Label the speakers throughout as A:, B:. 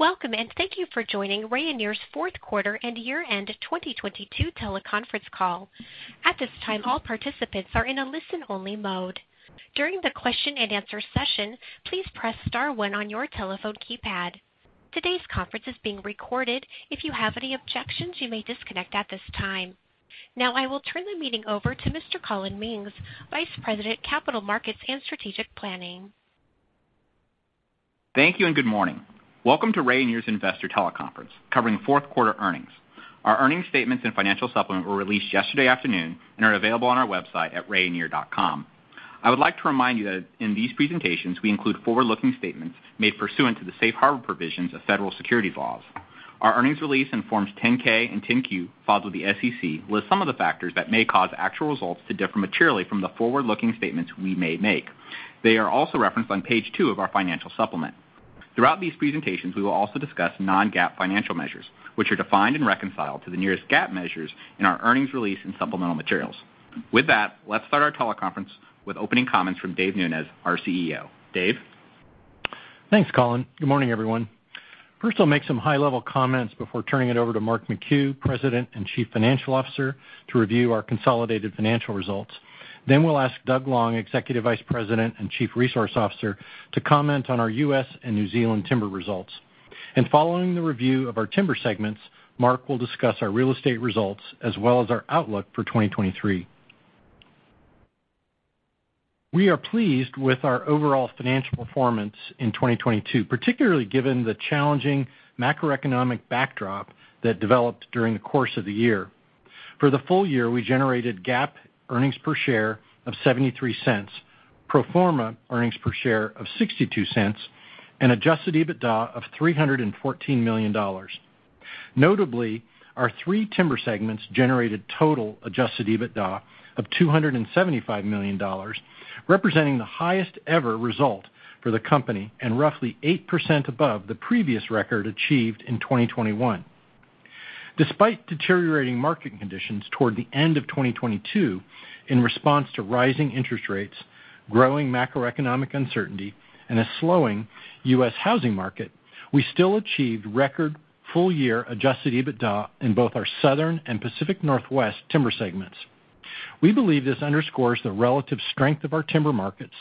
A: Welcome, and thank you for joining Rayonier's fourth quarter and year-end 2022 teleconference call. At this time, all participants are in a listen-only mode. During the question-and-answer session, please press star one on your telephone keypad. Today's conference is being recorded. If you have any objections, you may disconnect at this time. Now, I will turn the meeting over to Mr. Collin Mings, Vice President, Capital Markets and Strategic Planning.
B: Thank you and good morning. Welcome to Rayonier's Investor Teleconference covering fourth quarter earnings. Our earnings statements and financial supplement were released yesterday afternoon and are available on our website at rayonier.com. I would like to remind you that in these presentations, we include forward-looking statements made pursuant to the safe harbor provisions of federal securities laws. Our earnings release in Forms 10-K and 10-Q filed with the SEC list some of the factors that may cause actual results to differ materially from the forward-looking statements we may make. They are also referenced on page two of our financial supplement. Throughout these presentations, we will also discuss non-GAAP financial measures, which are defined and reconciled to the nearest GAAP measures in our earnings release and supplemental materials. With that, let's start our teleconference with opening comments from David Nunes, our CEO. David?
C: Thanks, Collin. Good morning, everyone. First, I'll make some high-level comments before turning it over to Mark McHugh, President and Chief Financial Officer, to review our consolidated financial results. We'll ask Doug Long, Executive Vice President and Chief Resource Officer, to comment on our U.S. and New Zealand Timber results. Following the review of our timber segments, Mark will discuss our real estate results as well as our outlook for 2023. We are pleased with our overall financial performance in 2022, particularly given the challenging macroeconomic backdrop that developed during the course of the year. For the full year, we generated GAAP earnings per share of $0.73, pro forma earnings per share of $0.62, and Adjusted EBITDA of $314 million. Notably, our three timber segments generated total Adjusted EBITDA of $275 million, representing the highest ever result for the company and roughly 8% above the previous record achieved in 2021. Despite deteriorating market conditions toward the end of 2022 in response to rising interest rates, growing macroeconomic uncertainty, and a slowing U.S. housing market, we still achieved record full-year Adjusted EBITDA in both our Southern and Pacific Northwest timber segments. We believe this underscores the relative strength of our timber markets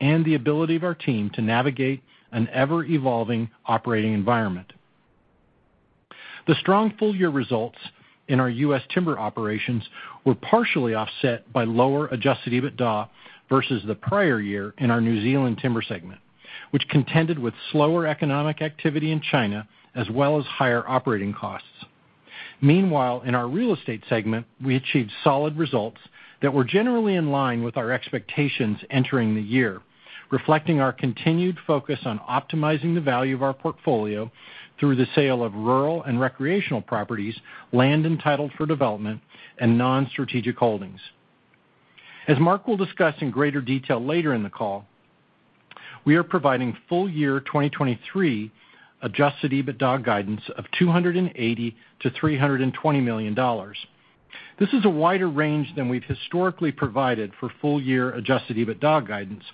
C: and the ability of our team to navigate an ever-evolving operating environment. The strong full-year results in our U.S. timber operations were partially offset by lower Adjusted EBITDA versus the prior year in our New Zealand timber segment, which contended with slower economic activity in China as well as higher operating costs. Meanwhile, in our real estate segment, we achieved solid results that were generally in line with our expectations entering the year, reflecting our continued focus on optimizing the value of our portfolio through the sale of rural and recreational properties, land entitled for development, and non-strategic holdings. As Mark McHugh will discuss in greater detail later in the call, we are providing full year 2023 Adjusted EBITDA guidance of $280 million-$320 million. This is a wider range than we've historically provided for full year Adjusted EBITDA guidance,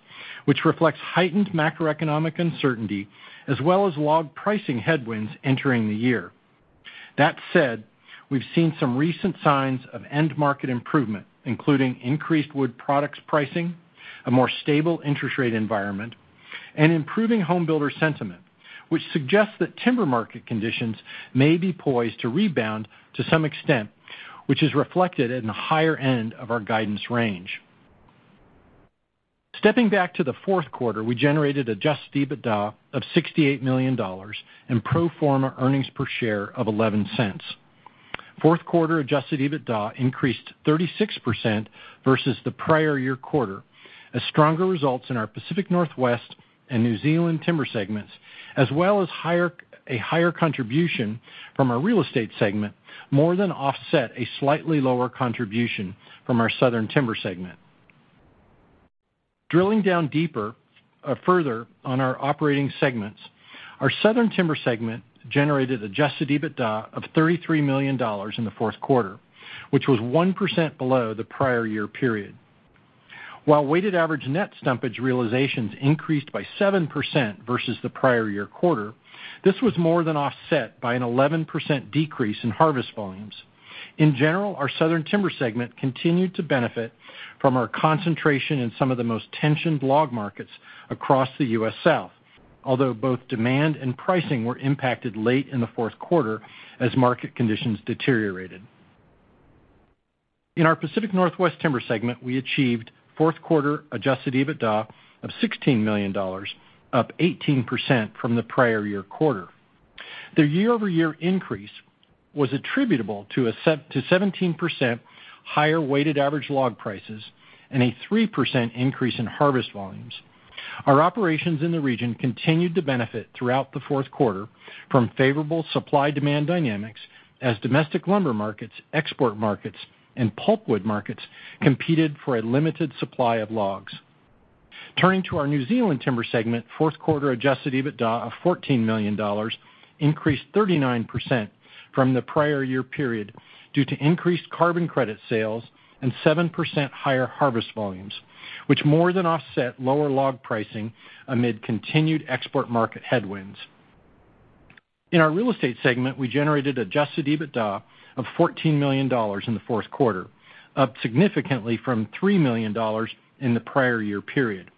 C: which reflects heightened macroeconomic uncertainty as well as log pricing headwinds entering the year. That said, we've seen some recent signs of end market improvement, including increased wood products pricing, a more stable interest rate environment, and improving home builder sentiment, which suggests that timber market conditions may be poised to rebound to some extent, which is reflected in the higher end of our guidance range. Stepping back to the fourth quarter, we generated Adjusted EBITDA of $68 million and pro forma earnings per share of $0.11. Fourth quarter Adjusted EBITDA increased 36% versus the prior year quarter as stronger results in our Pacific Northwest and New Zealand Timber segments, as well as a higher contribution from our real estate segment more than offset a slightly lower contribution from our Southern Timber segment. Drilling down deeper, further on our operating segments, our Southern Timber segment generated Adjusted EBITDA of $33 million in the fourth quarter, which was 1% below the prior year period. While weighted average net stewardship realizations increased by 7% versus the prior year quarter, this was more than offset by an 11% decrease in harvest volumes. In general, our Southern Timber segment continued to benefit from our concentration in some of the most tensioned log markets across the U.S. South, although both demand and pricing were impacted late in the fourth quarter as market conditions deteriorated. In our Pacific Northwest Timber segment, we achieved fourth quarter-Adjusted EBITDA of $16 million, up 18% from the prior year quarter. The year-over-year increase was attributable to 17% higher weighted average log prices and a 3% increase in harvest volumes. Our operations in the region continued to benefit throughout the fourth quarter from favorable supply-demand dynamics as domestic lumber markets, export markets, and pulpwood markets competed for a limited supply of logs. Turning to our New Zealand Timber segment, fourth quarter Adjusted EBITDA of $14 million increased 39% from the prior year period due to increased carbon credit sales and 7% higher harvest volumes, which more than offset lower log pricing amid continued export market headwinds. In our real estate segment, we generated Adjusted EBITDA of $14 million in the fourth quarter, up significantly from $3 million in the prior year period.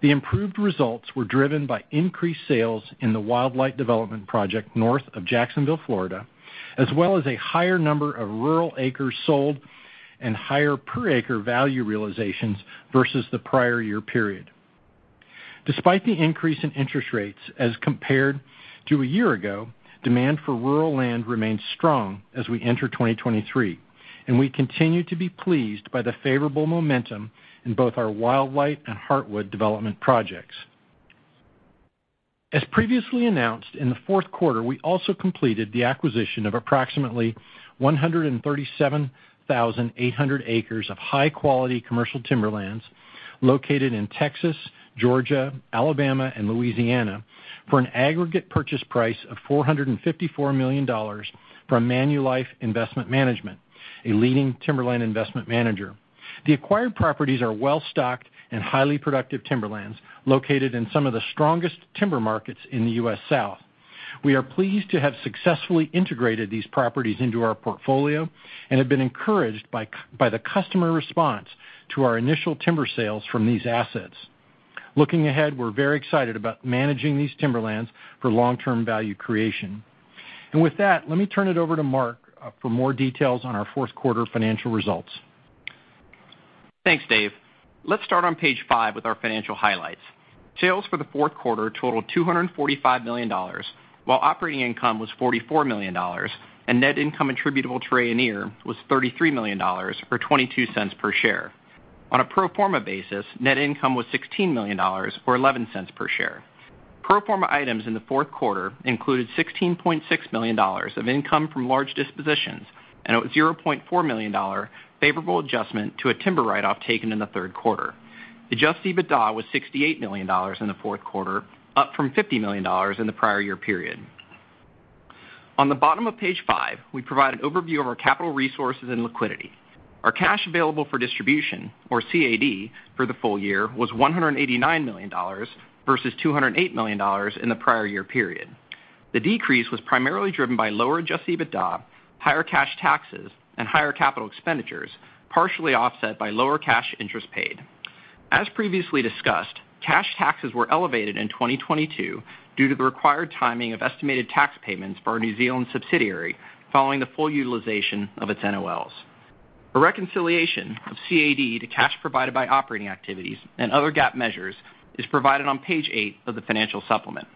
C: The improved results were driven by increased sales in the Wildlight development project north of Jacksonville, Florida, as well as a higher number of rural acres sold and higher per acre value realizations versus the prior year period. Despite the increase in interest rates as compared to a year ago, demand for rural land remains strong as we enter 2023, and we continue to be pleased by the favorable momentum in both our Wildlight and Heartwood development projects. As previously announced, in the fourth quarter, we also completed the acquisition of approximately 137,800 acres of high-quality commercial timberlands located in Texas, Georgia, Alabama, and Louisiana for an aggregate purchase price of $454 million from Manulife Investment Management, a leading timberland investment manager. The acquired properties are well-stocked and highly productive timberlands located in some of the strongest timber markets in the U.S. South. We are pleased to have successfully integrated these properties into our portfolio and have been encouraged by the customer response to our initial timber sales from these assets. Looking ahead, we're very excited about managing these timberlands for long-term value creation. With that, let me turn it over to Mark, for more details on our fourth quarter financial results.
D: Thanks, Dave. Let's start on page five with our financial highlights. Sales for the fourth quarter totaled $245 million, while operating income was $44 million and net income attributable to Rayonier was $33 million or $0.22 per share. On a pro forma basis, net income was $16 million or $0.11 per share. Pro forma items in the fourth quarter included $16.6 million of income from large dispositions and a $0.4 million favorable adjustment to a timber write-off taken in the third quarter. Adjusted EBITDA was $68 million in the fourth quarter, up from $50 million in the prior year period. On the bottom of page five, we provide an overview of our capital resources and liquidity. Our cash available for distribution or CAD for the full year was $189 million versus $208 million in the prior year period. The decrease was primarily driven by lower Adjusted EBITDA, higher cash taxes, and higher capital expenditures, partially offset by lower cash interest paid. As previously discussed, cash taxes were elevated in 2022 due to the required timing of estimated tax payments for our New Zealand subsidiary following the full utilization of its NOLs. A reconciliation of CAD to cash provided by operating activities and other GAAP measures is provided on page eight of the financial supplement.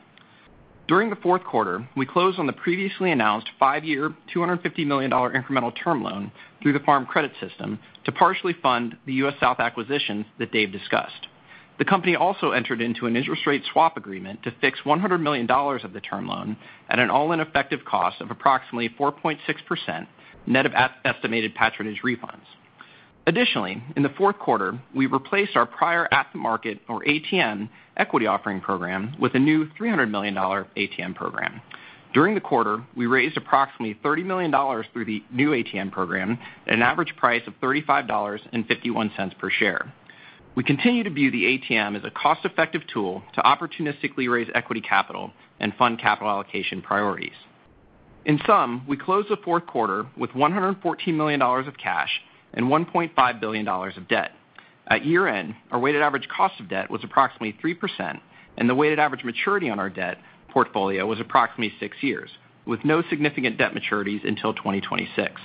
D: During the fourth quarter, we closed on the previously announced five-year, $250 million incremental term loan through the Farm Credit System to partially fund the US South acquisitions that Dave discussed. The company also entered into an interest rate swap agreement to fix $100 million of the term loan at an all-in effective cost of approximately 4.6% net of as-estimated patronage refunds. Additionally, in the fourth quarter, we replaced our prior at-the-market or ATM equity offering program with a new $300 million ATM program. During the quarter, we raised approximately $30 million through the new ATM program at an average price of $35.51 per share. We continue to view the ATM as a cost-effective tool to opportunistically raise equity capital and fund capital allocation priorities. In sum, we closed the fourth quarter with $114 million of cash and $1.5 billion of debt. At year-end, our weighted average cost of debt was approximately 3%, and the weighted average maturity on our debt portfolio was approximately six years, with no significant debt maturities until 2026.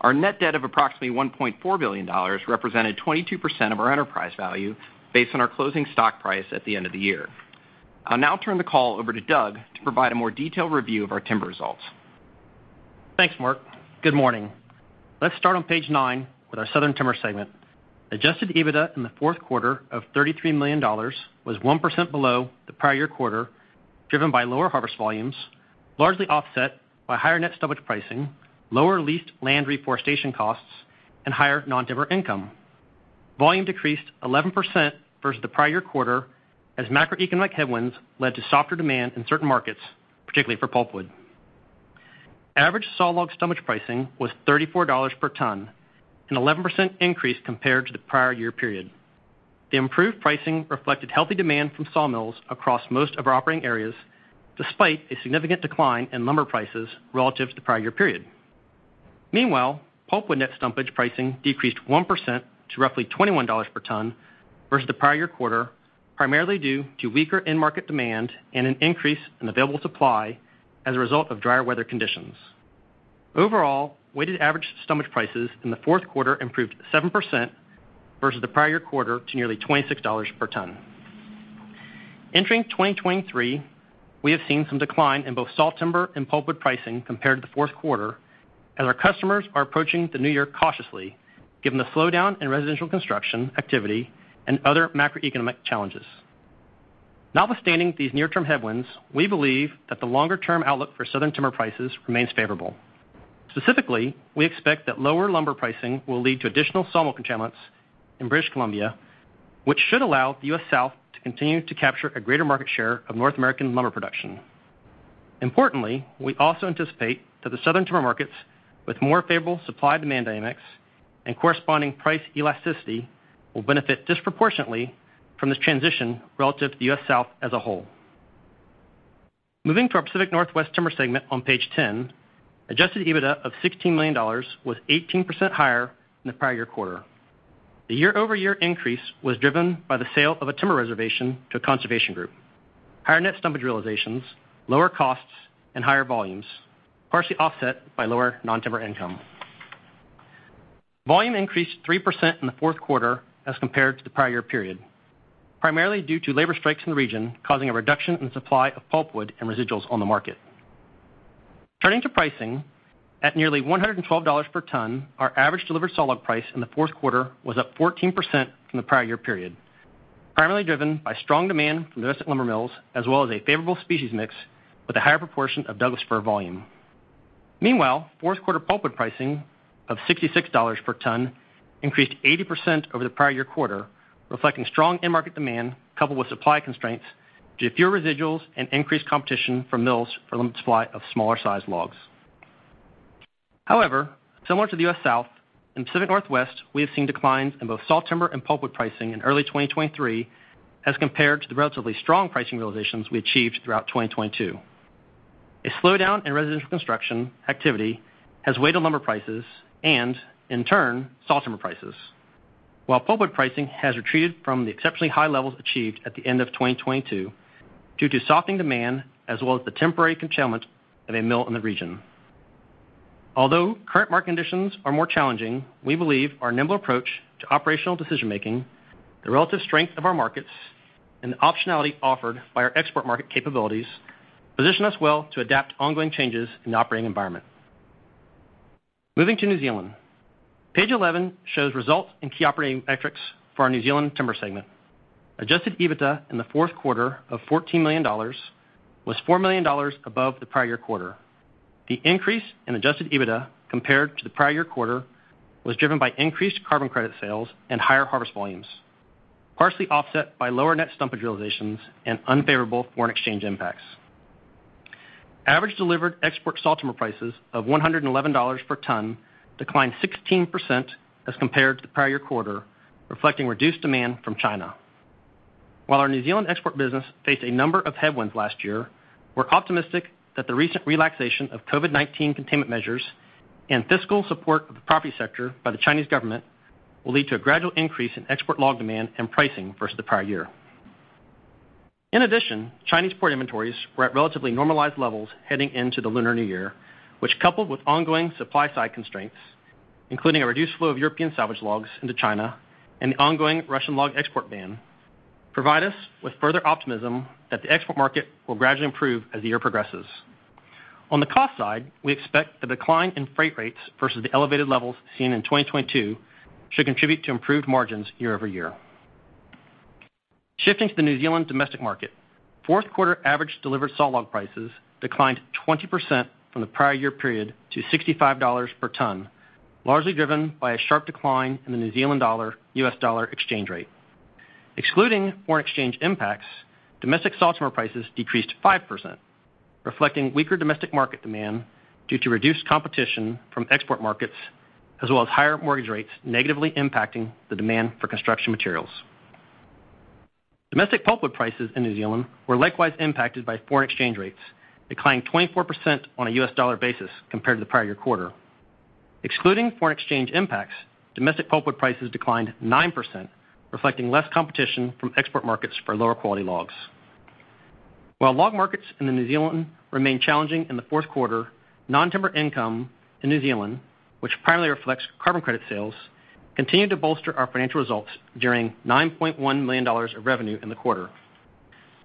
D: Our net debt of approximately $1.4 billion represented 22% of our enterprise value based on our closing stock price at the end of the year. I'll now turn the call over to Doug to provide a more detailed review of our timber results.
E: Thanks, Mark. Good morning. Let's start on page nine with our Southern Timber segment. Adjusted EBITDA in the fourth quarter of $33 million was 1% below the prior year quarter, driven by lower harvest volumes, largely offset by higher net stumpage pricing, lower leased land reforestation costs, and higher non-timber income. Volume decreased 11% versus the prior year quarter as macroeconomic headwinds led to softer demand in certain markets, particularly for pulpwood. Average sawlog stumpage pricing was $34 per ton, an 11% increase compared to the prior year period. The improved pricing reflected healthy demand from sawmills across most of our operating areas, despite a significant decline in lumber prices relative to the prior year period. Meanwhile, pulpwood net stumpage pricing decreased 1% to roughly $21 per ton versus the prior year quarter, primarily due to weaker end market demand and an increase in available supply as a result of drier weather conditions. Overall, weighted average stumpage prices in the fourth quarter improved 7% versus the prior year quarter to nearly $26 per ton. Entering 2023, we have seen some decline in both sawtimber and pulpwood pricing compared to the fourth quarter as our customers are approaching the new year cautiously, given the slowdown in residential construction activity and other macroeconomic challenges. Notwithstanding these near-term headwinds, we believe that the longer-term outlook for Southern Timber prices remains favorable. Specifically, we expect that lower lumber pricing will lead to additional sawmill curtailments in British Columbia, which should allow the U.S. South to continue to capture a greater market share of North American lumber production. Importantly, we also anticipate that the Southern timber markets with more favorable supply-demand dynamics and corresponding price elasticity will benefit disproportionately from this transition relative to the U.S. South as a whole. Moving to our Pacific Northwest Timber segment on page 10, Adjusted EBITDA of $16 million was 18% higher than the prior year quarter. The year-over-year increase was driven by the sale of a timber reservation to a conservation group. Higher net stumpage realizations, lower costs, and higher volumes, partially offset by lower non-timber income. Volume increased 3% in the fourth quarter as compared to the prior year period, primarily due to labor strikes in the region, causing a reduction in the supply of pulpwood and residuals on the market. Turning to pricing, at nearly $112 per ton, our average delivered solid price in the fourth quarter was up 14% from the prior year period, primarily driven by strong demand from domestic lumber mills, as well as a favorable species mix with a higher proportion of Douglas fir volume. Meanwhile, fourth quarter pulpwood pricing of $66 per ton increased 80% over the prior year quarter, reflecting strong end market demand coupled with supply constraints due to fewer residuals and increased competition from mills for limited supply of smaller-sized logs. However, similar to the U.S. South, in the Pacific Northwest, we have seen declines in both sawtimber and pulpwood pricing in early 2023 as compared to the relatively strong pricing realizations we achieved throughout 2022. A slowdown in residential construction activity has weighed lumber prices and, in turn, sawtimber prices, while pulpwood pricing has retreated from the exceptionally high levels achieved at the end of 2022 due to softening demand as well as the temporary curtailment of a mill in the region. Although current market conditions are more challenging, we believe our nimble approach to operational decision-making, the relative strength of our markets, and the optionality offered by our export market capabilities position us well to adapt to ongoing changes in the operating environment. Moving to New Zealand. Page 11 shows results and key operating metrics for our New Zealand Timber segment. Adjusted EBITDA in the fourth quarter of $14 million was $4 million above the prior year quarter. The increase in Adjusted EBITDA compared to the prior year quarter was driven by increased carbon credit sales and higher harvest volumes, partially offset by lower net stumpage realizations and unfavorable foreign exchange impacts. Average delivered export sawtimber prices of $111 per ton declined 16% as compared to the prior year quarter, reflecting reduced demand from China. While our New Zealand export business faced a number of headwinds last year, we're optimistic that the recent relaxation of COVID-19 containment measures and fiscal support of the property sector by the Chinese government will lead to a gradual increase in export log demand and pricing versus the prior year. In addition, Chinese port inventories were at relatively normalized levels heading into the Lunar New Year, which coupled with ongoing supply-side constraints, including a reduced flow of European salvage logs into China and the ongoing Russian log export ban, provide us with further optimism that the export market will gradually improve as the year progresses. On the cost side, we expect the decline in freight rates versus the elevated levels seen in 2022 should contribute to improved margins year-over-year. Shifting to the New Zealand domestic market, fourth quarter average delivered sawlog prices declined 20% from the prior year period to 65 dollars per ton, largely driven by a sharp decline in the New Zealand dollar-U.S. dollar exchange rate. Excluding foreign exchange impacts, domestic sawtimber prices decreased 5%, reflecting weaker domestic market demand due to reduced competition from export markets, as well as higher mortgage rates negatively impacting the demand for construction materials. Domestic pulpwood prices in New Zealand were likewise impacted by foreign exchange rates, declining 24% on a U.S. dollar basis compared to the prior year quarter. Excluding foreign exchange impacts, domestic pulpwood prices declined 9%, reflecting less competition from export markets for lower quality logs. While log markets in New Zealand remained challenging in the fourth quarter, non-timber income in New Zealand, which primarily reflects carbon credit sales, continued to bolster our financial results, generating $9.1 million of revenue in the quarter.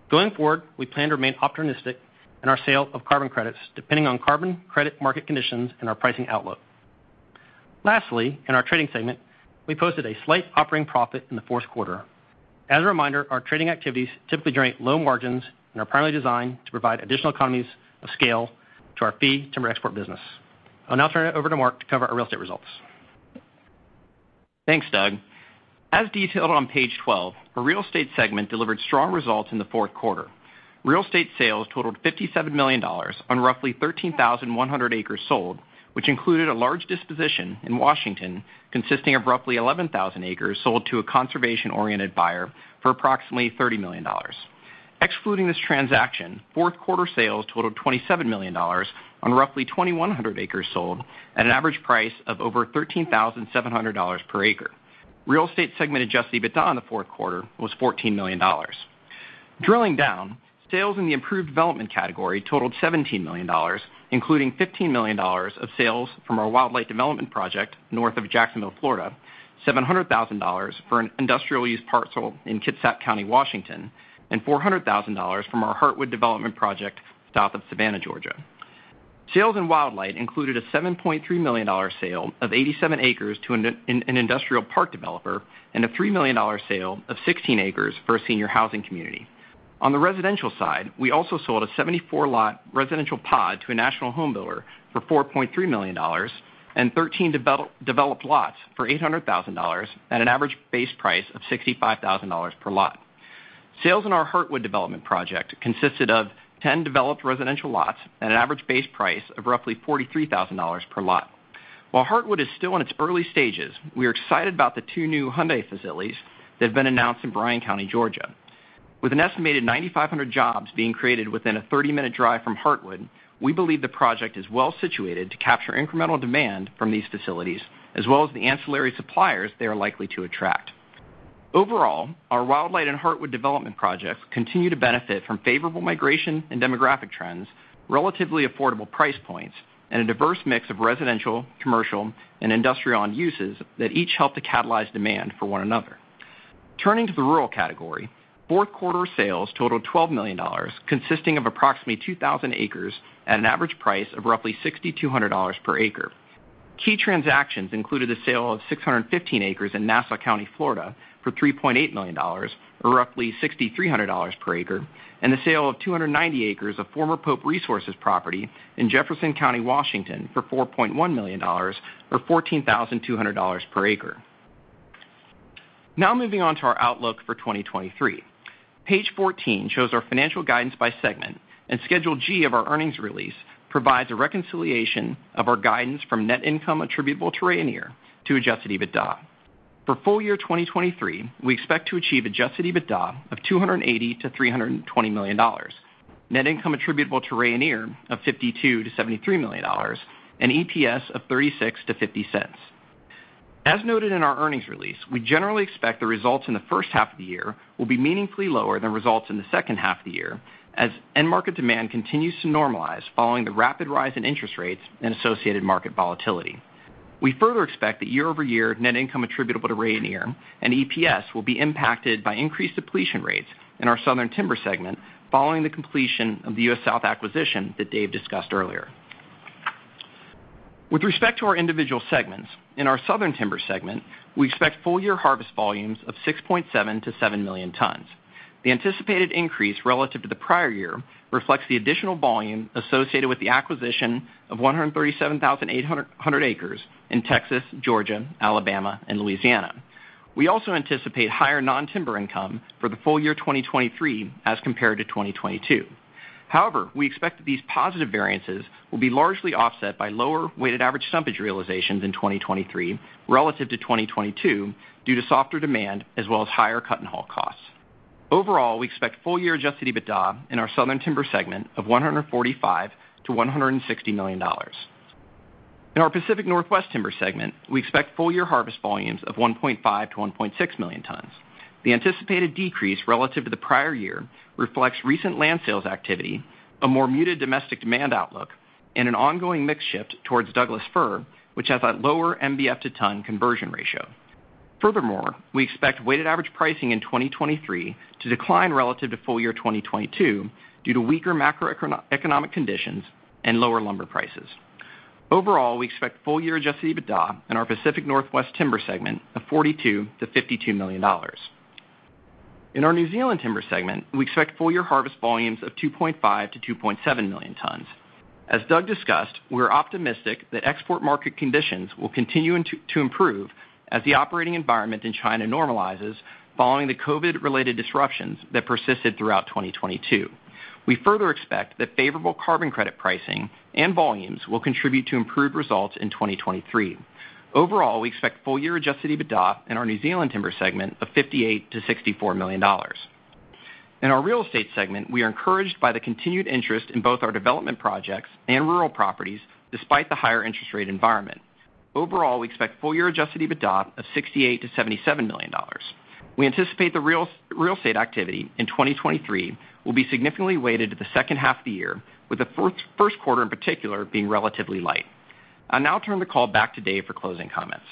E: Going forward, we plan to remain opportunistic in our sale of carbon credits, depending on carbon credit market conditions and our pricing outlook. Lastly, in our trading segment, we posted a slight operating profit in the fourth quarter. As a reminder, our trading activities typically generate low margins and are primarily designed to provide additional economies of scale to our fee timber export business. I'll now turn it over to Mark to cover our real estate results.
D: Thanks, Doug. As detailed on page 12, our real estate segment delivered strong results in the fourth quarter. Real estate sales totaled $57 million on roughly 13,100 acres sold, which included a large disposition in Washington consisting of roughly 11,000 acres sold to a conservation-oriented buyer for approximately $30 million. Excluding this transaction, fourth quarter sales totaled $27 million on roughly 2,100 acres sold at an average price of over $13,700 per acre. Real estate segment Adjusted EBITDA in the fourth quarter was $14 million. Drilling down, sales in the improved development category totaled $17 million, including $15 million of sales from our Wildlight development project north of Jacksonville, Florida, $700,000 for an industrial use parcel in Kitsap County, Washington, and $400,000 from our Heartwood development project south of Savannah, Georgia. Sales in Wildlight included a $7.3 million sale of 87 acres to an industrial park developer and a $3 million sale of 16 acres for a senior housing community. On the residential side, we also sold a 74 lot residential pod to a national home builder for $4.3 million and 13 developed lots for $800,000 at an average base price of $65,000 per lot. Sales in our Heartwood development project consisted of 10 developed residential lots at an average base price of roughly $43,000 per lot. While Heartwood is still in its early stages, we are excited about the 2 new Hyundai facilities that have been announced in Bryan County, Georgia. With an estimated 9,500 jobs being created within a 30-minute drive from Heartwood, we believe the project is well-situated to capture incremental demand from these facilities, as well as the ancillary suppliers they are likely to attract. Overall, our Wildlight and Heartwood development projects continue to benefit from favorable migration and demographic trends, relatively affordable price points, and a diverse mix of residential, commercial, and industrial end uses that each help to catalyze demand for one another. Turning to the rural category, fourth quarter sales totaled $12 million, consisting of approximately 2,000 acres at an average price of roughly $6,200 per acre. Key transactions included the sale of 615 acres in Nassau County, Florida for $3.8 million, or roughly $6,300 per acre, and the sale of 290 acres of former Pope Resources property in Jefferson County, Washington for $4.1 million, or $14,200 per acre. Moving on to our outlook for 2023. Page 14 shows our financial guidance by segment. Schedule G of our earnings release provides a reconciliation of our guidance from net income attributable to Rayonier to Adjusted EBITDA. For full year 2023, we expect to achieve Adjusted EBITDA of $280 million-$320 million, net income attributable to Rayonier of $52 million-$73 million, and EPS of $0.36-$0.50. As noted in our earnings release, we generally expect the results in the first half of the year will be meaningfully lower than results in the second half of the year as end market demand continues to normalize following the rapid rise in interest rates and associated market volatility. We further expect that year-over-year net income attributable to Rayonier and EPS will be impacted by increased depletion rates in our Southern Timber segment following the completion of the U.S. South acquisition that Dave discussed earlier. With respect to our individual segments, in our Southern Timber segment, we expect full year harvest volumes of 6.7 million to seven million tons. The anticipated increase relative to the prior year reflects the additional volume associated with the acquisition of 137,800 acres in Texas, Georgia, Alabama, and Louisiana. We also anticipate higher non-timber income for the full year 2023 as compared to 2022. However, we expect that these positive variances will be largely offset by lower weighted average stumpage realizations in 2023 relative to 2022 due to softer demand as well as higher cut-and-haul costs. Overall, we expect full year Adjusted EBITDA in our Southern Timber segment of $145 million-$160 million. In our Pacific Northwest Timber segment, we expect full year harvest volumes of 1.5 million-1.6 million tons. The anticipated decrease relative to the prior year reflects recent land sales activity, a more muted domestic demand outlook, and an ongoing mix shift towards Douglas fir, which has a lower MBF to ton conversion ratio. Furthermore, we expect weighted average pricing in 2023 to decline relative to full year 2022 due to weaker macroeconomic conditions and lower lumber prices. Overall, we expect full year Adjusted EBITDA in our Pacific Northwest Timber segment of $42 million-$52 million. In our New Zealand Timber segment, we expect full year harvest volumes of 2.5 million-2.7 million tons. As Doug discussed, we're optimistic that export market conditions will continue to improve as the operating environment in China normalizes following the COVID-related disruptions that persisted throughout 2022. We further expect that favorable carbon credit pricing and volumes will contribute to improved results in 2023. Overall, we expect full year Adjusted EBITDA in our New Zealand Timber segment of $58 million-$64 million. In our Real Estate segment, we are encouraged by the continued interest in both our development projects and rural properties, despite the higher interest rate environment. Overall, we expect full year Adjusted EBITDA of $68 million-$77 million. We anticipate the real estate activity in 2023 will be significantly weighted to the second half of the year, with the first quarter in particular being relatively light. I'll now turn the call back to Dave for closing comments.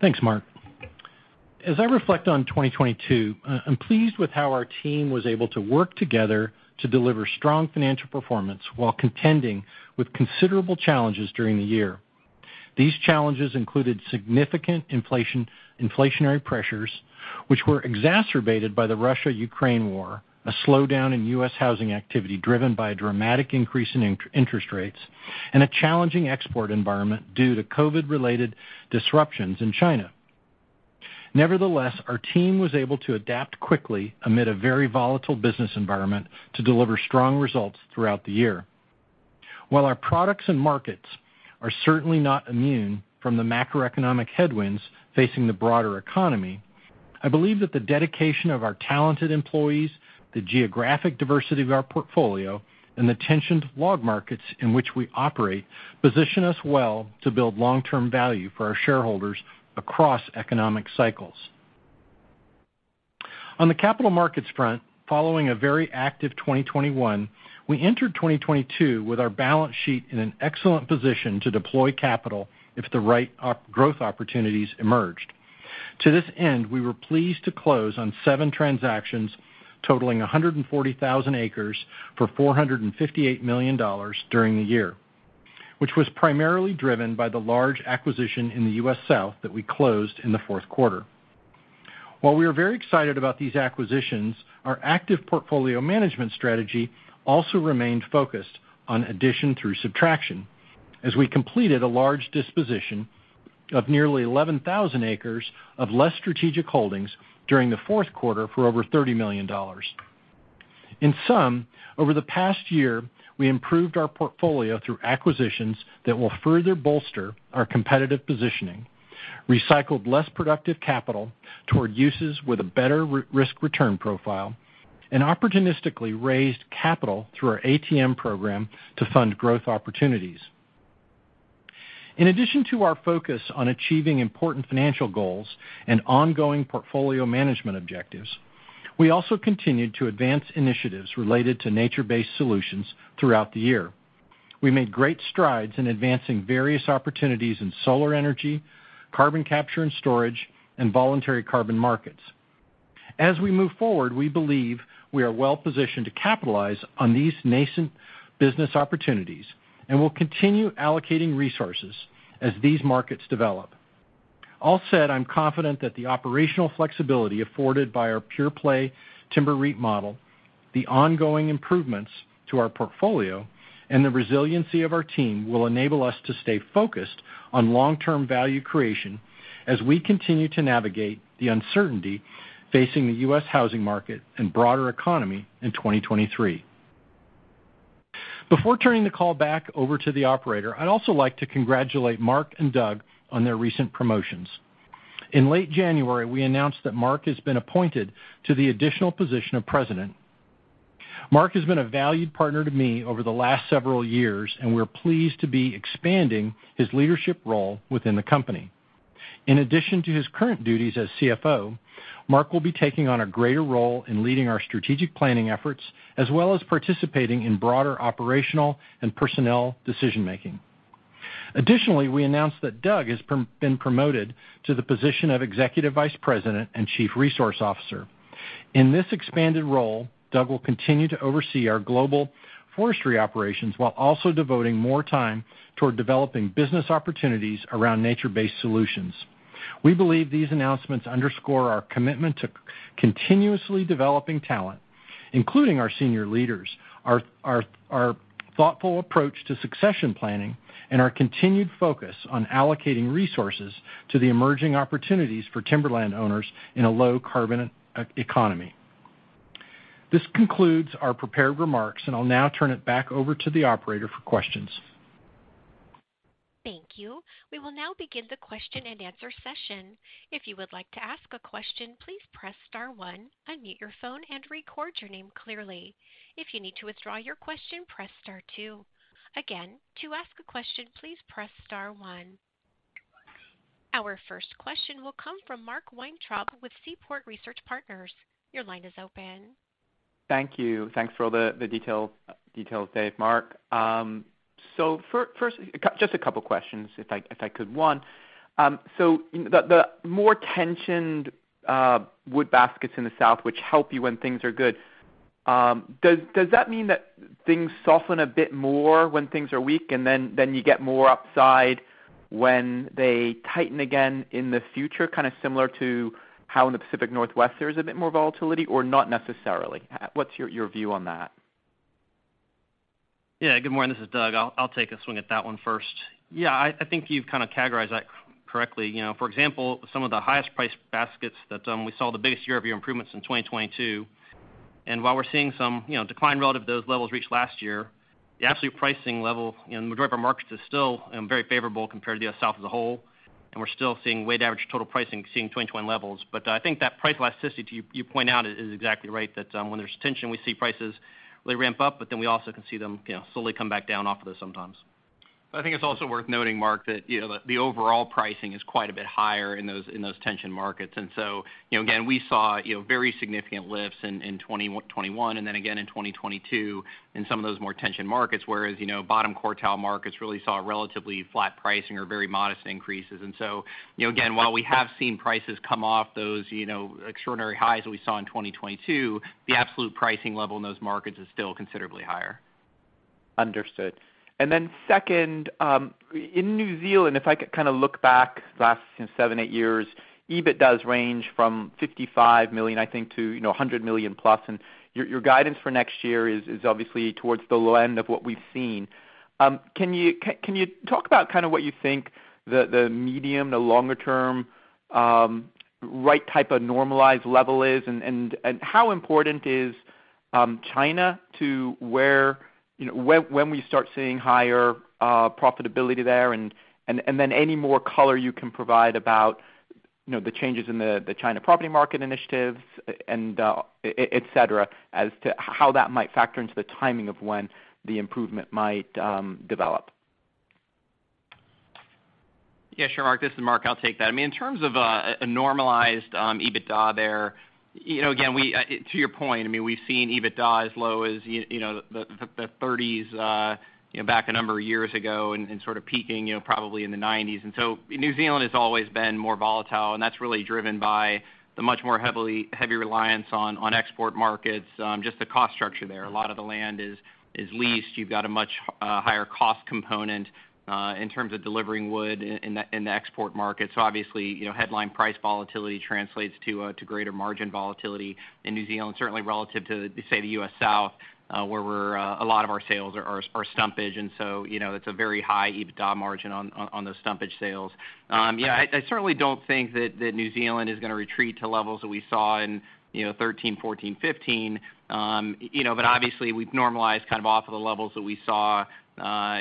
C: Thanks, Mark. As I reflect on 2022, I'm pleased with how our team was able to work together to deliver strong financial performance while contending with considerable challenges during the year. These challenges included significant inflationary pressures, which were exacerbated by the Russia-Ukraine war, a slowdown in U.S. housing activity driven by a dramatic increase in interest rates, and a challenging export environment due to COVID-related disruptions in China. Nevertheless, our team was able to adapt quickly amid a very volatile business environment to deliver strong results throughout the year. While our products and markets are certainly not immune from the macroeconomic headwinds facing the broader economy, I believe that the dedication of our talented employees, the geographic diversity of our portfolio, and the tensioned log markets in which we operate position us well to build long-term value for our shareholders across economic cycles. On the capital markets front, following a very active 2021, we entered 2022 with our balance sheet in an excellent position to deploy capital if the right growth opportunities emerged. To this end, we were pleased to close on 7 transactions totaling 140,000 acres for $458 million during the year, which was primarily driven by the large acquisition in the U.S. South that we closed in the fourth quarter. While we are very excited about these acquisitions, our active portfolio management strategy also remained focused on addition through subtraction. As we completed a large disposition of nearly 11,000 acres of less strategic holdings during the fourth quarter for over $30 million. In sum, over the past year, we improved our portfolio through acquisitions that will further bolster our competitive positioning, recycled less productive capital toward uses with a better risk return profile, and opportunistically raised capital through our ATM program to fund growth opportunities. In addition to our focus on achieving important financial goals and ongoing portfolio management objectives, we also continued to advance initiatives related to nature-based solutions throughout the year. We made great strides in advancing various opportunities in solar energy, carbon capture and storage, and voluntary carbon markets. We move forward, we believe we are well-positioned to capitalize on these nascent business opportunities, and we'll continue allocating resources as these markets develop. All said, I'm confident that the operational flexibility afforded by our pure-play timber REIT model, the ongoing improvements to our portfolio, and the resiliency of our team will enable us to stay focused on long-term value creation as we continue to navigate the uncertainty facing the US housing market and broader economy in 2023. Before turning the call back over to the operator, I'd also like to congratulate Mark and Doug on their recent promotions. In late January, we announced that Mark has been appointed to the additional position of President. Mark has been a valued partner to me over the last several years, and we're pleased to be expanding his leadership role within the company. In addition to his current duties as CFO, Mark will be taking on a greater role in leading our strategic planning efforts, as well as participating in broader operational and personnel decision-making. Additionally, we announced that Doug has been promoted to the position of Executive Vice President and Chief Resource Officer. In this expanded role, Doug will continue to oversee our global forestry operations while also devoting more time toward developing business opportunities around nature-based solutions. We believe these announcements underscore our commitment to continuously developing talent, including our senior leaders, our thoughtful approach to succession planning, and our continued focus on allocating resources to the emerging opportunities for timberland owners in a low carbon e-economy. This concludes our prepared remarks. I'll now turn it back over to the operator for questions.
A: Thank you. We will now begin the question-and-answer session. If you would like to ask a question, please press star one, unmute your phone, and record your name clearly. If you need to withdraw your question, press star two. Again, to ask a question, please press star one. Our first question will come from Mark Weintraub with Seaport Research Partners. Your line is open.
F: Thank you. Thanks for all the details, Dave, Mark. First, just a couple questions if I could. One, the more tensioned wood baskets in the South, which help you when things are good, does that mean that things soften a bit more when things are weak, and then you get more upside when they tighten again in the future, kinda similar to how in the Pacific Northwest there's a bit more volatility or not necessarily? What's your view on that?
E: Good morning. This is Doug. I'll take a swing at that one first. I think you've kinda categorized that correctly. You know, for example, some of the highest priced baskets that we saw the biggest year-over-year improvements in 2022. While we're seeing some, you know, decline relative to those levels reached last year, the absolute pricing level in majority of our markets is still very favorable compared to the South as a whole, and we're still seeing weighted average total pricing seeing 21 levels. I think that price elasticity you point out is exactly right, that when there's tension, we see prices really ramp up, but then we also can see them, you know, slowly come back down off of those sometimes.
C: I think it's also worth noting, Mark, that, you know, the overall pricing is quite a bit higher in those tension markets. You know, again, we saw, you know, very significant lifts in 2021 and then again in 2022 in some of those more tension markets, whereas, you know, bottom quartile markets really saw relatively flat pricing or very modest increases. You know, again, while we have seen prices come off those, you know, extraordinary highs we saw in 2022, the absolute pricing level in those markets is still considerably higher.
F: Understood. Then second, in New Zealand, if I kinda look back last seven, eight years, EBITDA range from $55 million, I think, to, you know, $100 million plus. Your guidance for next year is obviously towards the low end of what we've seen. Can you talk about kinda what you think the medium, the longer term, right type of normalized level is, and how important is China to where, you know, when we start seeing higher profitability there? Then any more color you can provide about, you know, the changes in the China property market initiatives and et cetera, as to how that might factor into the timing of when the improvement might develop.
E: Yeah, sure, Mark. This is Mark. I'll take that. I mean, in terms of a normalized EBITDA there, you know, again, we to your point, I mean, we've seen EBITDA as low as you know, the $30s, you know, back a number of years ago and sort of peaking, you know, probably in the $90s. New Zealand has always been more volatile, and that's really driven by the much more heavy reliance on export markets, just the cost structure there. A lot of the land is leased. You've got a much higher cost component in terms of delivering wood in the export market. Obviously, you know, headline price volatility translates to greater margin volatility in New Zealand, certainly relative to, say, the U.S. South. Where we're a lot of our sales are stumpage, and so, you know, it's a very high EBITDA margin on those stumpage sales. Yeah, I certainly don't think that New Zealand is gonna retreat to levels that we saw in, you know, 2013, 2014, 2015. You know, but obviously we've normalized kind of off of the levels that we saw,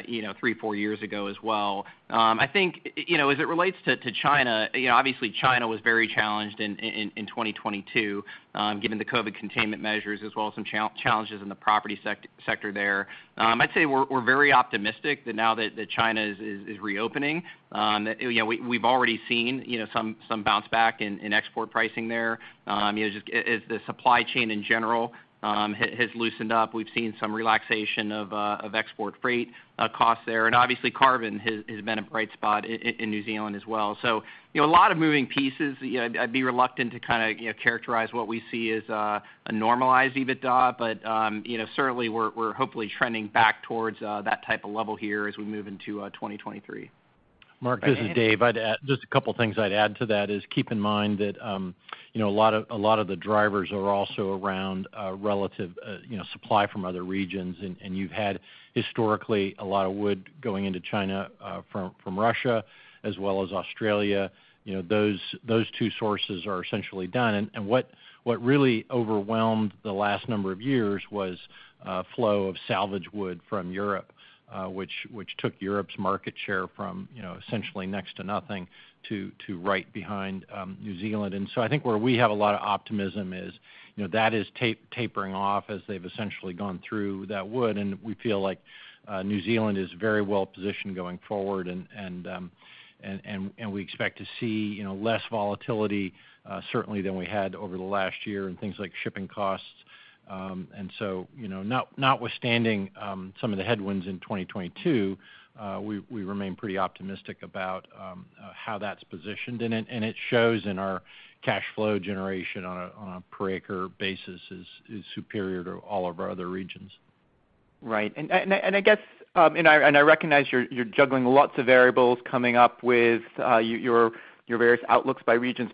E: you know, three, four years ago as well. I think, you know, as it relates to China, you know, obviously China was very challenged in 2022, given the COVID containment measures, as well as some challenges in the property sector there. I'd say we're very optimistic that now that China is reopening, you know, we've already seen, you know, some bounce back in export pricing there. You know, just as the supply chain in general has loosened up, we've seen some relaxation of export freight costs there. Obviously carbon has been a bright spot in New Zealand as well. You know, a lot of moving pieces. You know, I'd be reluctant to kinda, you know, characterize what we see as a normalized EBITDA. You know, certainly we're hopefully trending back towards that type of level here as we move into 2023.
C: Mark, this is Dave. Just a couple things I'd add to that is keep in mind that, you know, a lot of, a lot of the drivers are also around relative, you know, supply from other regions. You've had historically a lot of wood going into China from Russia as well as Australia. You know, those two sources are essentially done. What really overwhelmed the last number of years was a flow of salvage wood from Europe, which took Europe's market share from, you know, essentially next to nothing to right behind New Zealand. I think where we have a lot of optimism is, you know, that is tapering off as they've essentially gone through that wood. We feel like New Zealand is very well positioned going forward. We expect to see, you know, less volatility, certainly than we had over the last year in things like shipping costs. You know, notwithstanding, some of the headwinds in 2022, we remain pretty optimistic about how that's positioned. It shows in our cash flow generation on a per acre basis is superior to all of our other regions.
F: Right. I guess, and I recognize you're juggling lots of variables coming up with your various outlooks by regions.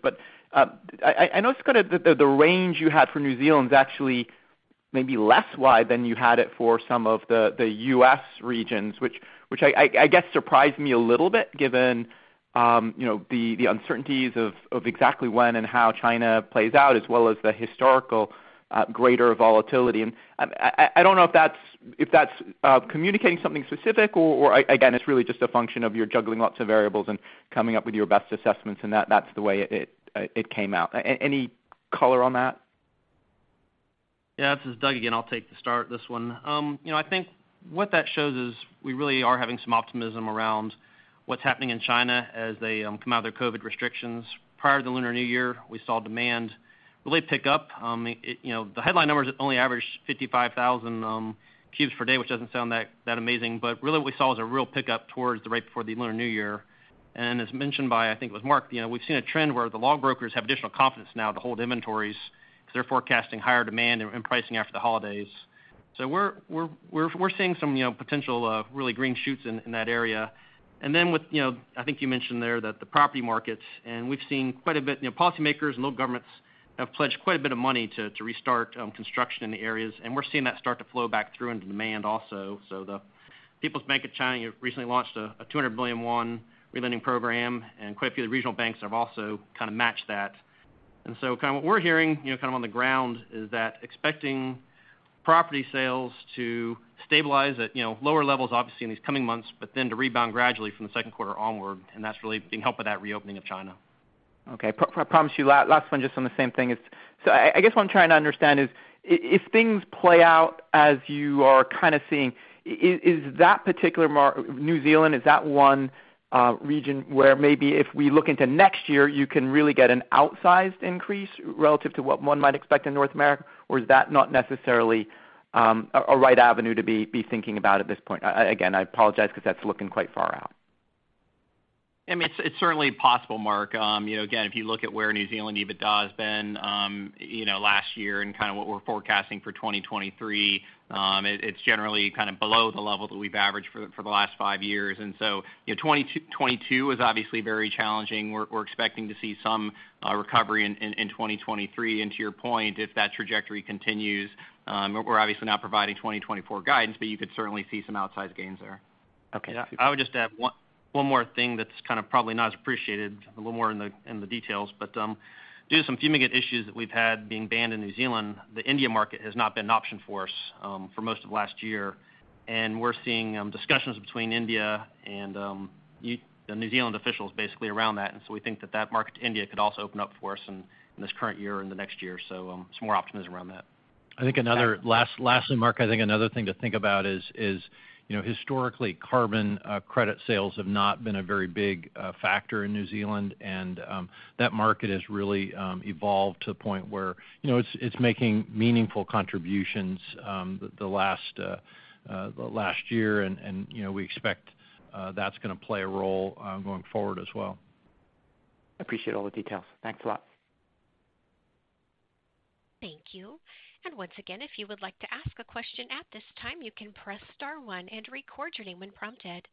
F: I noticed kind of the range you had for New Zealand is actually maybe less wide than you had it for some of the U.S regions, which I guess surprised me a little bit given, you know, the uncertainties of exactly when and how China plays out, as well as the historical greater volatility. I don't know if that's communicating something specific or again, it's really just a function of you're juggling lots of variables and coming up with your best assessments and that's the way it came out. Any color on that?
E: Yeah. This is Doug again. I'll take the start of this one. You know, I think what that shows is we really are having some optimism around what's happening in China as they come out of their COVID restrictions. Prior to the Lunar New Year, we saw demand really pick up. It, you know, the headline numbers only averaged 55,000 cubes per day, which doesn't sound that amazing. Really what we saw was a real pickup towards the right before the Lunar New Year. As mentioned by, I think it was Mark, you know, we've seen a trend where the log brokers have additional confidence now to hold inventories because they're forecasting higher demand and pricing after the holidays. We're seeing some, you know, potential really green shoots in that area. With, you know, I think you mentioned there that the property markets, we've seen quite a bit, you know, policymakers and local governments have pledged quite a bit of money to restart construction in the areas, we're seeing that start to flow back through into demand also. The People's Bank of China recently launched a 200 billion CNY relending program, quite a few of the regional banks have also kind of matched that. Kind of what we're hearing, you know, kind of on the ground is that expecting property sales to stabilize at, you know, lower levels obviously in these coming months, to rebound gradually from the second quarter onward, that's really being helped with that reopening of China.
F: Okay. Promise you last one just on the same thing is. I guess what I'm trying to understand is if things play out as you are kind of seeing, is that particular New Zealand, is that one region where maybe if we look into next year, you can really get an outsized increase relative to what one might expect in North America? Is that not necessarily a right avenue to be thinking about at this point? Again, I apologize because that's looking quite far out.
E: I mean, it's certainly possible, Mark. You know, again, if you look at where New Zealand EBITDA has been, you know, last year and kind of what we're forecasting for 2023, it's generally kind of below the level that we've averaged for the last five years. You know, 2022 was obviously very challenging. We're, we're expecting to see some recovery in 2023. To your point, if that trajectory continues, we're obviously not providing 2024 guidance, but you could certainly see some outsized gains there.
F: Okay.
E: I would just add one more thing that's kind of probably not as appreciated, a little more in the details. Due to some fumigant issues that we've had being banned in New Zealand, the India market has not been an option for us for most of last year. We're seeing discussions between India and the New Zealand officials basically around that. We think that that market to India could also open up for us in this current year and the next year. Some more optimism around that. I think another, lastly Mark, I think another thing to think about is, you know, historically carbon credit sales have not been a very big factor in New Zealand. You know, that market has really evolved to a point where, you know, it's making meaningful contributions, the last year. You know, we expect that's gonna play a role going forward as well.
F: Appreciate all the details. Thanks a lot.
A: Thank you. Once again, if you would like to ask a question at this time, you can press star one and record your name when prompted.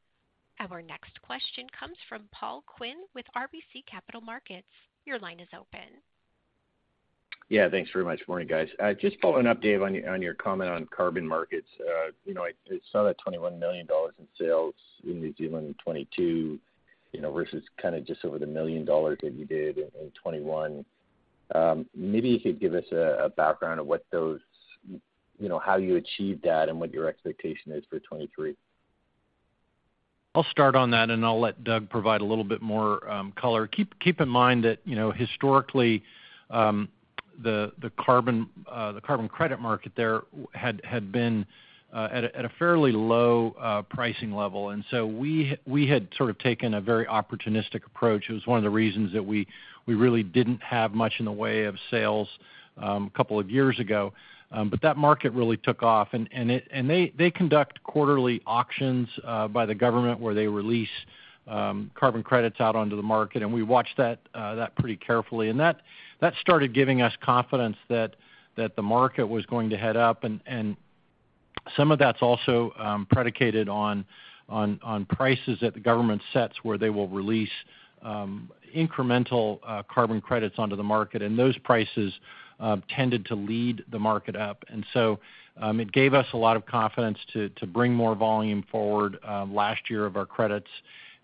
A: Our next question comes from Paul Quinn with RBC Capital Markets. Your line is open.
G: Yeah, thanks very much. Morning, guys. Just following up, Dave, on your comment on carbon markets. You know, I saw that $21 million in sales in New Zealand in 2022, you know, versus kind of just over $1 million that you did in 2021. Maybe you could give us a background of what those, you know, how you achieved that and what your expectation is for 2023?
C: I'll start on that. I'll let Doug provide a little bit more color. Keep in mind that, you know, historically, the carbon credit market there had been at a fairly low pricing level. We had sort of taken a very opportunistic approach. It was one of the reasons that we really didn't have much in the way of sales two years ago. That market really took off, and they conduct quarterly auctions by the government where they release carbon credits out onto the market. We watch that pretty carefully. That started giving us confidence that the market was going to head up. some of that's also predicated on prices that the government sets where they will release incremental carbon credits onto the market, and those prices tended to lead the market up. It gave us a lot of confidence to bring more volume forward last year of our credits.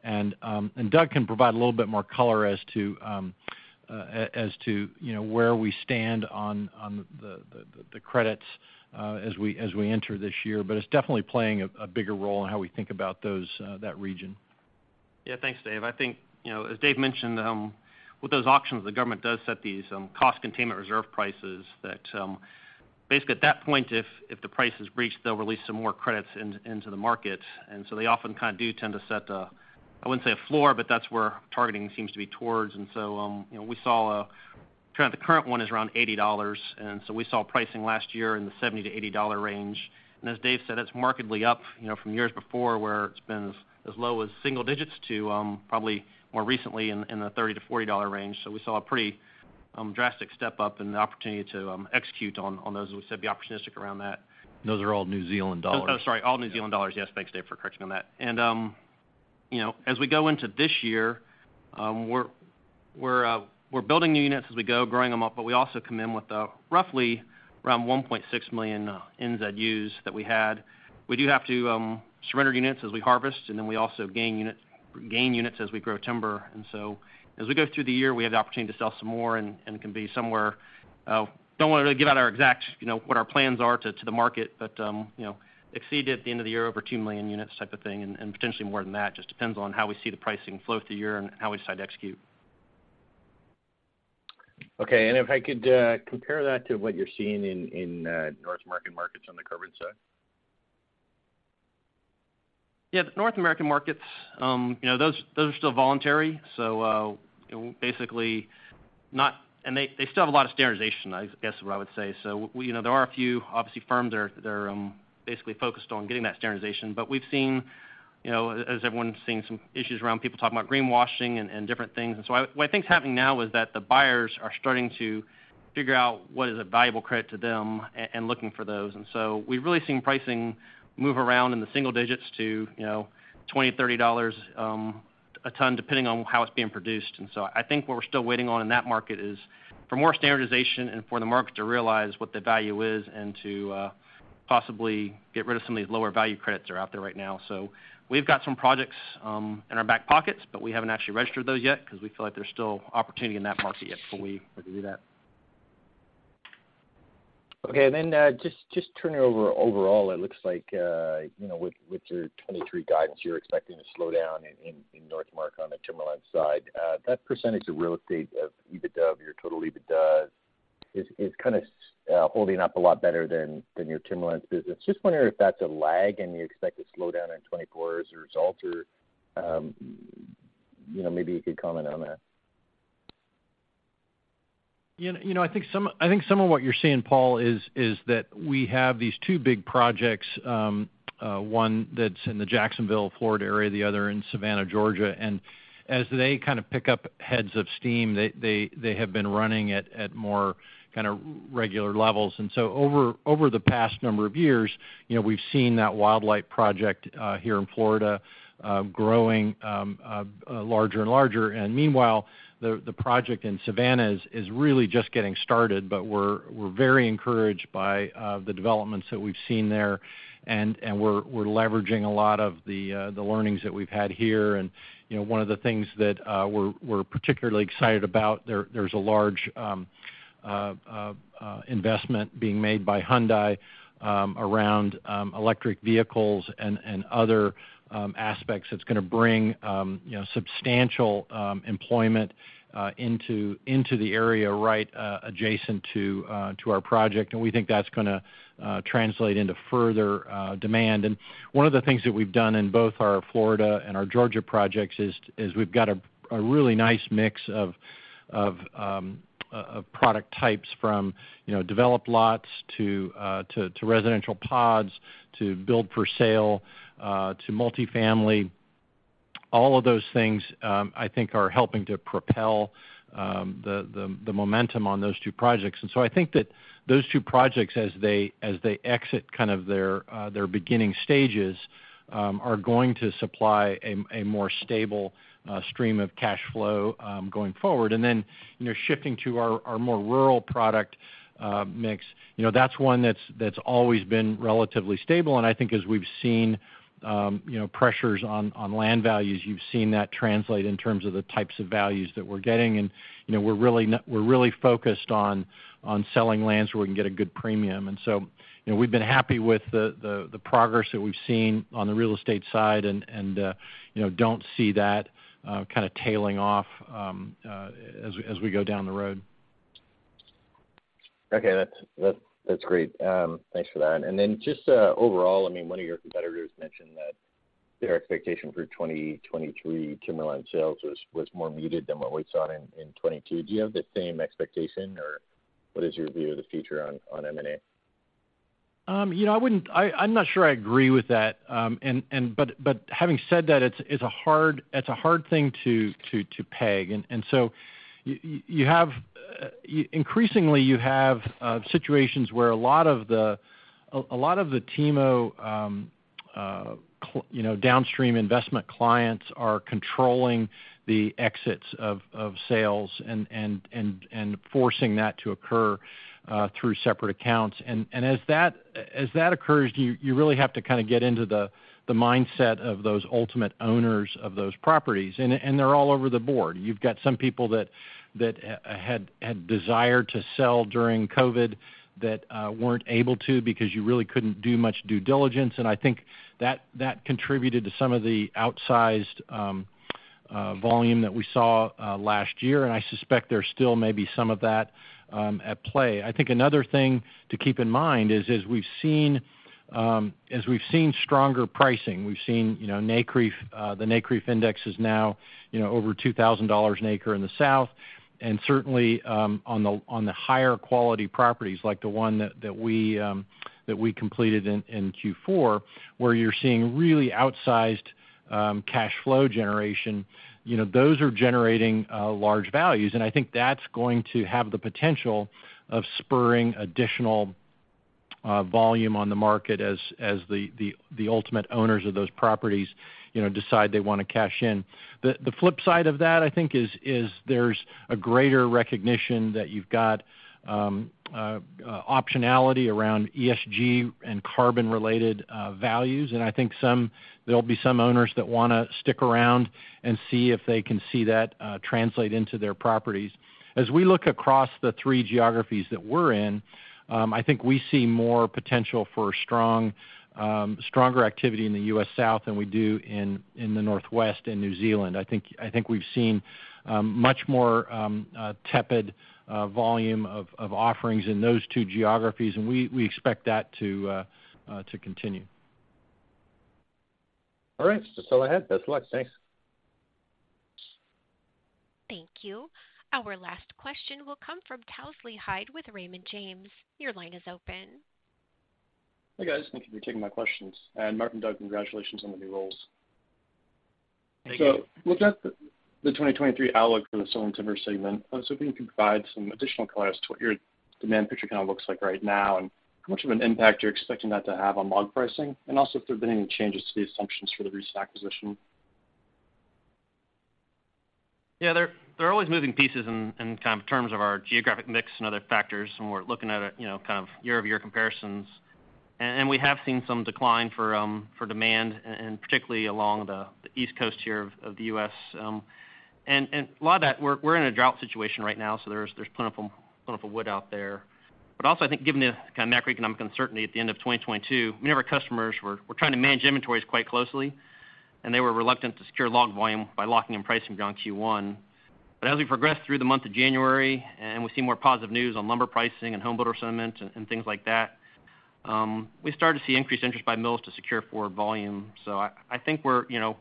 C: Doug can provide a little bit more color as to, you know, where we stand on the credits as we enter this year. It's definitely playing a bigger role in how we think about those that region.
E: Yeah. Thanks, Dave. I think, you know, as Dave mentioned, with those auctions, the government does set these, Cost Containment Reserve prices that, basically at that point if the price is reached, they'll release some more credits into the market. They often kind of do tend to set a, I wouldn't say a floor, but that's where targeting seems to be towards. You know, we saw, kind of the current one is around $80, we saw pricing last year in the $70-$80 range. As Dave said, it's markedly up, you know, from years before where it's been as low as single digits to, probably more recently in the $30-$40 range. We saw a pretty drastic step up and the opportunity to execute on those as we said be opportunistic around that.
C: Those are all New Zealand dollars.
E: Oh, sorry, all New Zealand dollars. Yes. Thanks, Dave, for correcting on that. You know, as we go into this year, we're building new units as we go, growing them up, but we also come in with roughly around 1.6 million NZUs that we had. We do have to surrender units as we harvest. Then we also gain units as we grow timber. As we go through the year, we have the opportunity to sell some more and can be somewhere, don't wanna really give out our exact, you know, what our plans are to the market, but, you know, exceed at the end of the year over two million units type of thing, and potentially more than that, just depends on how we see the pricing flow through the year and how we decide to execute.
G: Okay. If I could compare that to what you're seeing in North American markets on the carbon side?
E: Yeah. The North American markets, you know, those are still voluntary, so basically not. They still have a lot of standardization, I guess is what I would say. You know, there are a few obviously firms that are basically focused on getting that standardization. But we've seen, you know, as everyone's seeing some issues around people talking about greenwashing and different things. What I think is happening now is that the buyers are starting to figure out what is a valuable credit to them and looking for those. We've really seen pricing move around in the single digits to, you know, $20-$30 a ton depending on how it's being produced. I think what we're still waiting on in that market is for more standardization and for the market to realize what the value is and to possibly get rid of some of these lower value credits that are out there right now. We've got some projects in our back pockets, but we haven't actually registered those yet 'cause we feel like there's still opportunity in that market yet before we have to do that.
G: Okay. Just turning it over overall, it looks like, you know, with your 2023 guidance, you're expecting to slow down in North Mark on the timberlands side. That percentage of real estate of EBITDA of your total EBITDA is kind of holding up a lot better than your timberlands business. Just wondering if that's a lag, and you expect to slow down in 2024 as a result? Or, you know, maybe you could comment on that.
C: You know, I think some of what you're seeing, Paul, is that we have these two big projects, one that's in the Jacksonville, Florida area, the other in Savannah, Georgia. As they kind of pick up heads of steam, they have been running at more kind of regular levels. Over the past number of years, you know, we've seen that Wildlight project here in Florida, growing larger and larger. Meanwhile, the project in Savannah is really just getting started, but we're very encouraged by the developments that we've seen there. We're leveraging a lot of the learnings that we've had here. You know, one of the things that we're particularly excited about, there's a large investment being made by Hyundai around electric vehicles and other aspects that's gonna bring, you know, substantial employment into the area right adjacent to our project, and we think that's gonna translate into further demand. One of the things that we've done in both our Florida and our Georgia projects is we've got a really nice mix of product types from, you know, developed lots to residential pods, to build for sale, to multifamily. All of those things, I think are helping to propel the momentum on those two projects. I think that those two projects as they, as they exit kind of their beginning stages, are going to supply a more stable stream of cash flow going forward. You know, shifting to our more rural product mix, you know, that's one that's always been relatively stable. I think as we've seen, you know, pressures on land values, you've seen that translate in terms of the types of values that we're getting. You know, we're really focused on selling lands where we can get a good premium. You know, we've been happy with the progress that we've seen on the real estate side and, you know, don't see that kind of tailing off, as we go down the road.
G: Okay. That's great. Thanks for that. Just overall, I mean, one of your competitors mentioned that their expectation for 2023 timberland sales was more muted than what we saw in 2022. Do you have the same expectation, or what is your view of the future on M&A?
C: You know, I wouldn't, I'm not sure I agree with that. But having said that, it's a hard, hard thing to peg. You have, you increasingly you have situations where a lot of the a lot of the TIMO, you know, downstream investment clients are controlling the exits of sales and forcing that to occur through separate accounts. As that occurs, you really have to kind of get into the mindset of those ultimate owners of those properties. They're all over the board. You've got some people that had desired to sell during COVID that weren't able to because you really couldn't do much due diligence. I think that contributed to some of the outsized volume that we saw last year. I suspect there still may be some of that at play. I think another thing to keep in mind is as we've seen, as we've seen stronger pricing, we've seen, you know, NCREIF, the NCREIF index is now, you know, over $2,000 an acre in the South. Certainly, on the, on the higher quality properties like the one that we completed in Q4, where you're seeing really outsized cash flow generation, you know, those are generating large values. I think that's going to have the potential of spurring additional volume on the market as the, the ultimate owners of those properties, you know, decide they wanna cash in. The flip side of that, I think is there's a greater recognition that you've got optionality around ESG and carbon-related values. I think there'll be some owners that wanna stick around and see if they can see that translate into their properties. As we look across the three geographies that we're in, I think we see more potential for strong, stronger activity in the U.S. South than we do in the Northwest and New Zealand. I think we've seen much more tepid volume of offerings in those two geographies, we expect that to continue.
G: All right. That's all I had. Best of luck. Thanks.
A: Thank you. Our last question will come from Telsey Hyde with Raymond James, your line is open.
H: Hi, guys. Thank you for taking my questions. Mark and Doug, congratulations on the new roles.
C: Thank you.
H: Looking at the 2023 outlook for the Sawmill Timber segment, I was hoping you could provide some additional color as to what your demand picture kind of looks like right now, and how much of an impact you're expecting that to have on log pricing, and also if there have been any changes to the assumptions for the recent acquisition?
E: Yeah. There are always moving pieces in kind of terms of our geographic mix and other factors, we're looking at it, you know, kind of year-over-year comparisons. We have seen some decline for demand and particularly along the East Coast here of the U.S. A lot of that we're in a drought situation right now, so there's plentiful wood out there. Also I think given the kind of macroeconomic uncertainty at the end of 2022, many of our customers were trying to manage inventories quite closely, and they were reluctant to secure log volume by locking in pricing beyond Q1. As we progress through the month of January and we see more positive news on lumber pricing and home builder sentiment and things like that, we start to see increased interest by mills to secure forward volume. I think we're, you know,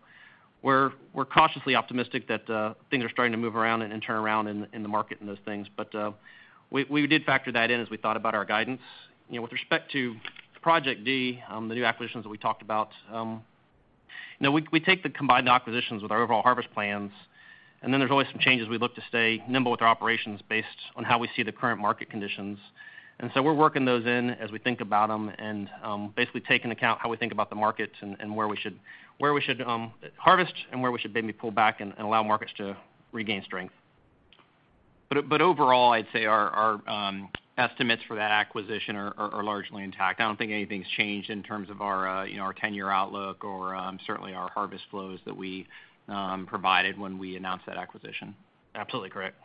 E: we're cautiously optimistic that things are starting to move around and turn around in the market and those things. We did factor that in as we thought about our guidance. You know, with respect to Project D, the new acquisitions that we talked about, you know, we take the combined acquisitions with our overall harvest plans. Then there's always some changes we look to stay nimble with our operations based on how we see the current market conditions. We're working those in as we think about them and basically take into account how we think about the markets and where we should harvest and where we should maybe pull back and allow markets to regain strength. Overall, I'd say our estimates for that acquisition are largely intact. I don't think anything's changed in terms of our, you know, our tenure outlook or certainly our harvest flows that we provided when we announced that acquisition.
C: Absolutely correct.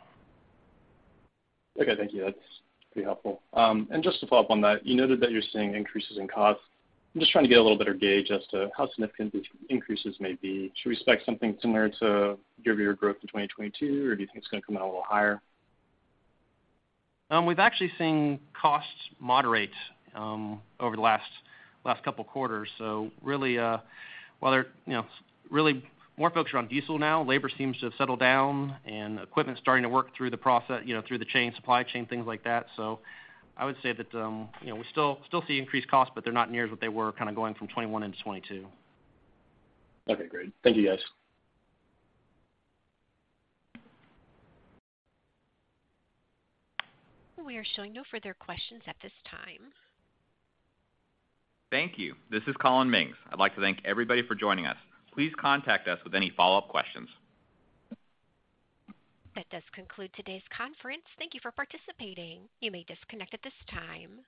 H: Okay. Thank you. That's pretty helpful. Just to follow up on that, you noted that you're seeing increases in costs. I'm just trying to get a little better gauge as to how significant these increases may be. Should we expect something similar to year-over-year growth in 2022, or do you think it's gonna come in a little higher?
E: We've actually seen costs moderate over the last couple of quarters. Really, while they're, you know, really more folks are on diesel now, labor seems to have settled down and equipment starting to work through the chain, supply chain, things like that. I would say that, you know, we still see increased costs, but they're not near what they were kind of going from 21 into 22.
H: Okay, great. Thank you, guys.
A: We are showing no further questions at this time.
B: Thank you. This is Collin Mings. I'd like to thank everybody for joining us. Please contact us with any follow-up questions.
A: That does conclude today's conference. Thank you for participating. You may disconnect at this time.